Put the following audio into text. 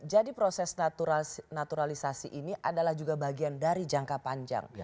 jadi proses naturalisasi ini adalah juga bagian dari jangka panjang